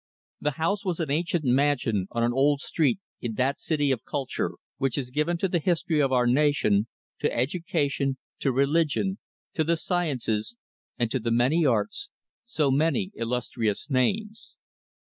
The house was an ancient mansion on an old street in that city of culture which has given to the history of our nation to education, to religion, to the sciences, and to the arts so many illustrious names.